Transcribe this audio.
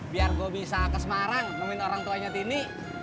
biar gue bisa ke semarang nemuin orang tuanya tini